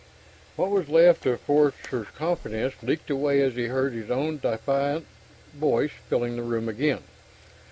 What was left of Forster's confidence leaked away as he heard his own diffident voice filling the room again.